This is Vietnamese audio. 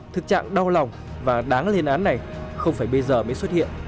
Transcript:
thực trạng đau lòng và đáng lên án này không phải bây giờ mới xuất hiện